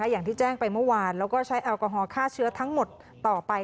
อย่างที่แจ้งไปเมื่อวานแล้วก็ใช้แอลกอฮอลฆ่าเชื้อทั้งหมดต่อไป